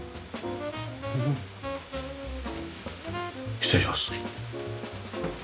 失礼します。